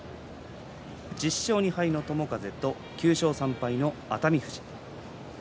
１０勝２敗の友風と９勝３敗の熱海富士。